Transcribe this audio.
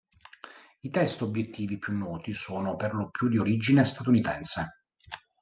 I test obiettivi più noti sono per lo più di origine statunitense.